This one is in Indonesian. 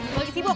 bukan lagi sibuk